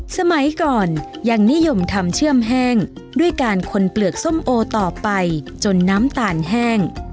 สมัยก่อนยังนิยมทำเชื่อมแห้งด้วยการคนเปลือกส้มโอต่อไปจนน้ำตาลแห้ง